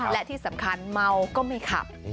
และที่สำคัญเมาก็ไม่ขับ